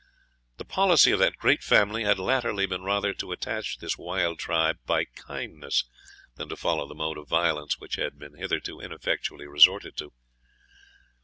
The policy of that great family had latterly been rather to attach this wild tribe by kindness than to follow the mode of violence which had been hitherto ineffectually resorted to.